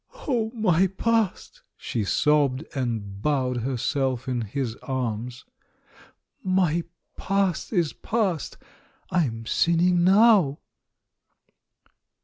"Oh, my past?" she sobbed, and bowed herself in his arms. "My past is past — I'm sinning now